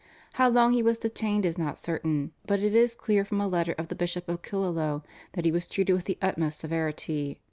How long he was detained is not certain, but it is clear from a letter of the Bishop of Killaloe that he was treated with the utmost severity.